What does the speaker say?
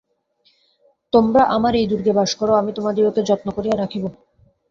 তোমারা আমার এই দুর্গে বাস করো, আমি তোমাদিগকে যত্ন করিয়া রাখিব।